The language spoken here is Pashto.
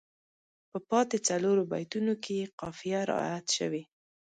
په پاتې څلورو بیتونو کې یې قافیه رعایت شوې.